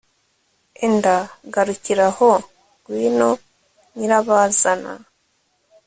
enda garukira aho ngwino nyirabazana